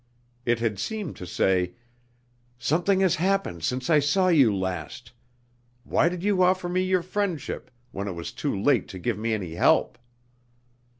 It had seemed to say, "Something has happened since I saw you last. Why did you offer me your friendship, when it was too late to give me any help?"